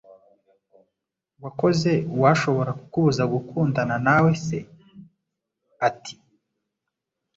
Wakoze uwashobora kukubuza gukundana nawe, se ati.